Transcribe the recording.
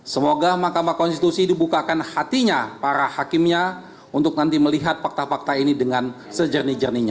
semoga mahkamah konstitusi dibukakan hatinya para hakimnya untuk nanti melihat fakta fakta ini dengan sejernih jernihnya